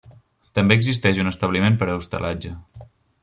També existeix un establiment per a hostalatge.